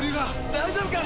大丈夫か？